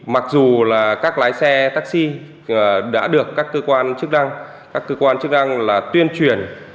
mặc dù các lái xe taxi đã được các cơ quan chức năng tuyên truyền